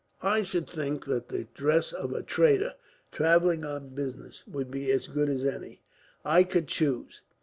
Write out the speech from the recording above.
"I should think that the dress of a trader, travelling on business, would be as good as any I could choose."